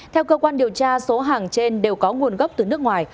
theo cơ quan điều tra số hàng trên đều có nguồn gốc từ nước ngoài